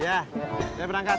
iya saya berangkat